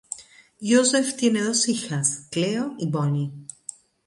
Josef tiene dos hijas Cleo y Bonnie.